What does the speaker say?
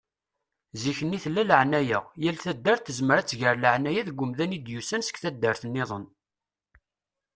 Zikk-nni tella laεnaya. Yal taddart tezmer ad tger laεnaya deg umdan i d-yusan seg taddart-nniḍen.